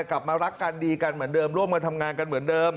กลับมารักกันดีกันเหมือนเดิมร่วมกันทำงานกันเหมือนเดิม